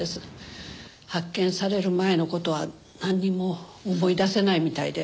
発見される前の事はなんにも思い出せないみたいで。